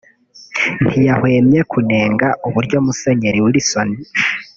ntiyahwemye kunenga uburyo Musenyeri Wilson